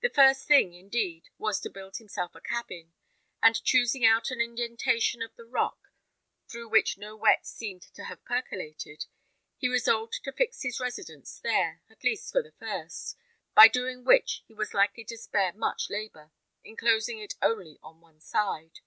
The first thing, indeed, was to build himself a cabin; and choosing out an indentation of the rock, through which no wet seemed to have percolated, he resolved to fix his residence there, at least for the first; by doing which he was likely to spare much labour, enclosing it only on one side.